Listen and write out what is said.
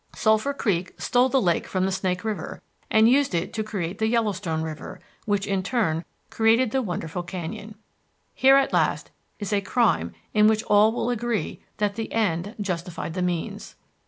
Sulphur Creek stole the lake from the Snake River and used it to create the Yellowstone River, which in turn created the wonderful canyon. Here at last is a crime in which all will agree that the end justified the means.